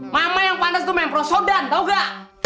mama yang pantes tuh mempro sodan tau ga